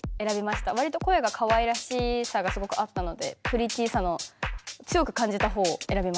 わりと声がかわいらしさがすごくあったのでプリティーさの強く感じたほうを選びました。